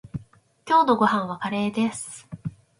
今日のご飯はカレーです。